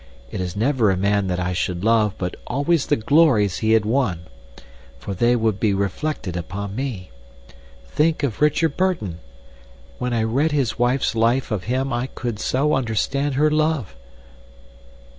It is never a man that I should love, but always the glories he had won; for they would be reflected upon me. Think of Richard Burton! When I read his wife's life of him I could so understand her love!